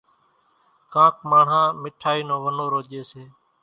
ڪانڪ ماڻۿان مِٺائِي نو ونورو ڄيَ سي۔